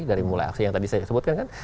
dari mulai aksi yang tadi saya sebutkan kan